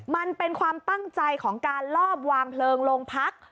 มันเป็นความตั้งใจของการลอบวางเพลิงโรงพัก